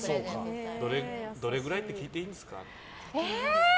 どれぐらいって金額を聞いていいんですか？